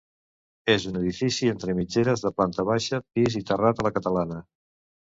És un edifici entre mitgeres de planta baixa, pis i terrat a la catalana.